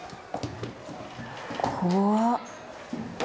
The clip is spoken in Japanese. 怖っ！